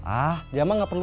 ah dia emang gak perlu